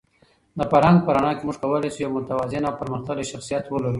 د فرهنګ په رڼا کې موږ کولای شو یو متوازن او پرمختللی شخصیت ولرو.